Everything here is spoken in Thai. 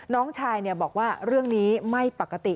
น้องชายบอกว่าเรื่องนี้ไม่ปกติ